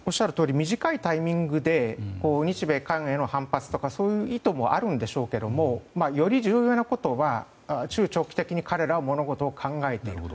短いタイミングで日米韓への反発とかそういう意図もあるんでしょうけどより重要なことは中長期的に彼らは物事を考えている。